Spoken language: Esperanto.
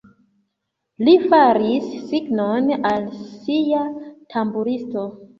Li faris signon al sia tamburisto.